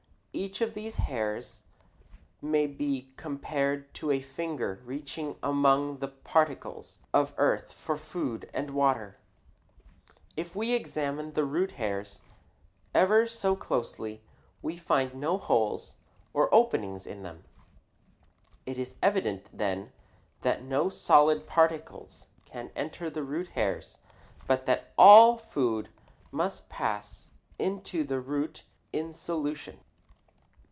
Each of these hairs may be compared to a finger reaching among the particles of earth for food and water. If we examine the root hairs ever so closely, we find no holes, or openings, in them. It is evident, then, that no solid particles can enter the root hairs, but that all food must pass into the root in solution.